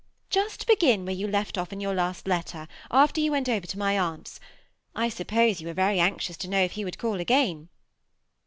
Just begin where you left off in your last letter, after he went over to my aunt's. I suppose you were very anxious to know if he would call again?"